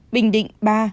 bình định ba